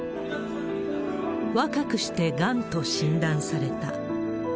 若くしてがんと診断された。